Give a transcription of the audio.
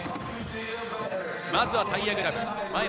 まずはタイヤグラブ。